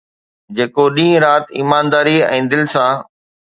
جيڪو ڏينهن رات ايمانداريءَ ۽ دل سان